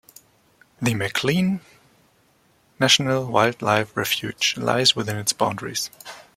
The McLean National Wildlife Refuge lies within its boundaries.